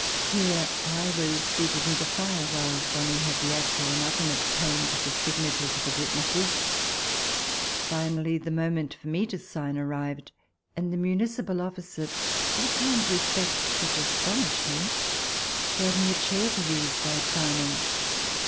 Here I was seated near the fire while Bonie had the act drawn up and obtained the signatures of the witnesses. Finally the moment for me to sign arrived and the municipal oflficer, with a kind of respect which astonished me, gave me a chair to use while signing.